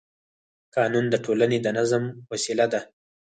قانون د ټولنې د نظم وسیله ده